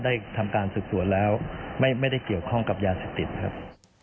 ได้ทำการสืบสวนแล้วไม่ได้เกี่ยวข้องกับยาเสพติดครับ